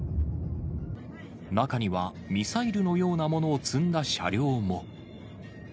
中にはミサイルのようなものを積んだ車両も。